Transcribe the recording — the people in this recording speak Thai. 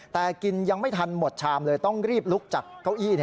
แต่กินยังไม่ทันหมดชามเลยต้องรีบลุกจากเก้าอี้